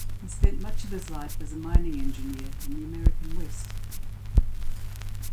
He spent much of his life as a mining engineer in the American West.